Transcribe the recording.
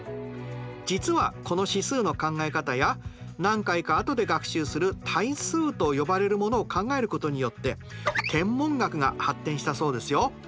実はこの指数の考え方や何回かあとで学習する「対数」と呼ばれるものを考えることによって天文学が発展したそうですよ。